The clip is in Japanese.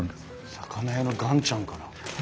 魚屋の元ちゃんから？